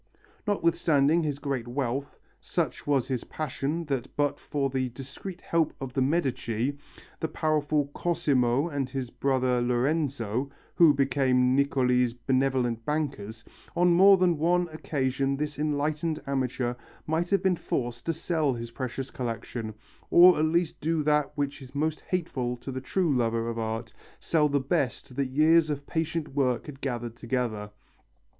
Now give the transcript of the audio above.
Notwithstanding his great wealth, such was his passion that but for the discreet help of the Medici, the powerful Cosimo and his brother Lorenzo, who became Niccoli's benevolent bankers, on more than one occasion this enlightened amateur might have been forced to sell his precious collection, or at least do that which is most hateful to the true lover of art, sell the best that years of patient work had gathered together.